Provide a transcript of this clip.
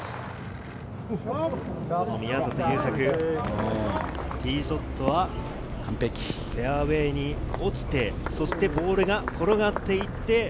その宮里優作、ティーショットはフェアウエーに落ちて、そしてボールが転がっていって。